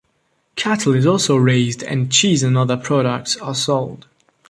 Cattle is also raised and cheese and other products are sold.